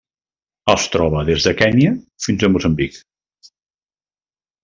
Es troba des de Kenya fins a Moçambic.